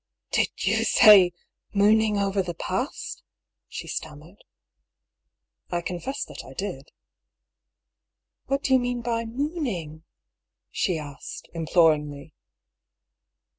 "Did you say 'mooning over the past ^f^^ she stam mered. I confessed that I did. " What do you mean by * mooning ' f " she asked, imploringly.